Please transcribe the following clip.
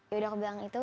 ya udah aku bilang itu